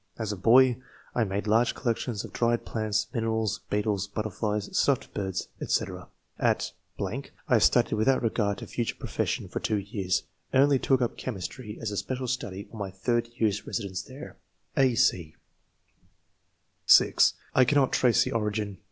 As a boy, I made large collections of dried plants, minerals, beetles, butterflies, stuffed birds, &c. At .... I studied without regard to future profession for two years, and only took up chemistry as a special study on my third year's residence there. '^ (a, c) (6) ^' I cannot trace the origin.